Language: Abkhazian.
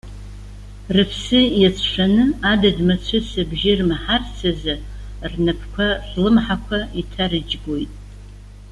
Рыԥсы иацәшәаны, адыд мацәыс абжьы рмаҳарц азы рнапқәа рлымҳақәа иҭарыџьгәоит.